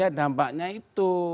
ya dampaknya itu